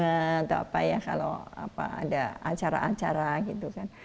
atau apa ya kalau ada acara acara gitu kan